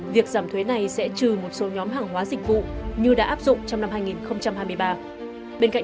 về mức thuế bảo vệ